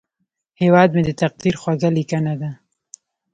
هیواد مې د تقدیر خوږه لیکنه ده